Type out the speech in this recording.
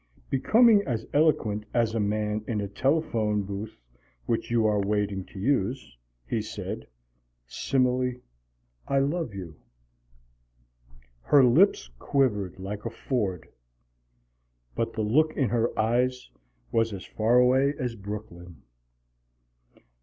Becoming as eloquent as a man in a telephone booth which you are waiting to use, he said: "Simile, I love you!" Her lips quivered like a ford, but the look in her eyes was as far away as Brooklyn.